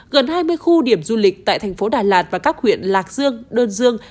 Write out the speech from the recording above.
gần hai mươi khu điểm du lịch tại thành phố đà lạt và các huyện lạc dương đơn dương